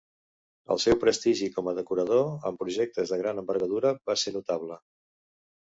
El seu prestigi com a decorador en projectes de gran envergadura va ser notable.